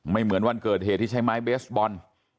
เหมือนวันเกิดเหตุที่ใช้ไม้เบสบอล